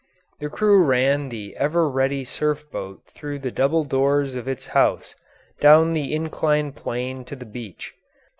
The crew ran the ever ready surf boat through the double doors of its house down the inclined plane to the beach.